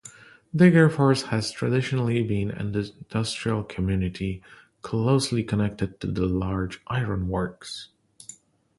Degerfors has traditionally been an industrial community closely connected to the large ironworks.